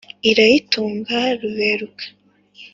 Irayitunga Ruberuka.